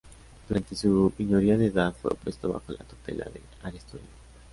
Durante su minoría de edad fue puesto bajo la tutela de Aristodemo.